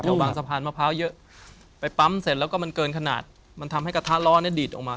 บางสะพานมะพร้าวเยอะไปปั๊มเสร็จแล้วก็มันเกินขนาดมันทำให้กระทะล้อเนี่ยดีดออกมา